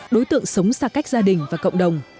đối tượng sống xa cách gia đình và cộng đồng